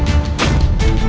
tidak ada yang bisa dihukum